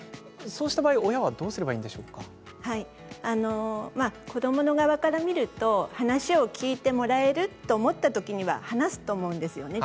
そうした場合子ども側から見ると話を聞いてもらえると思ったときには話すと思うんですよね